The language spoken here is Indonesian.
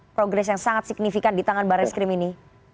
progres yang sangat signifikan di tangan barai skrim ini